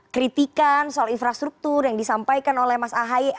kritikan soal infrastruktur yang disampaikan oleh mas ahaye